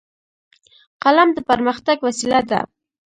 قلم د پرمختګ وسیله ده